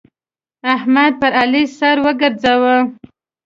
احمد پر علي سر وګرځاوو.